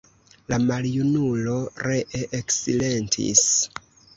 La maljunulo ree eksilentis.